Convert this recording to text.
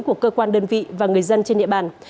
của cơ quan đơn vị và người dân trên địa bàn